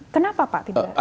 kenapa pak tidak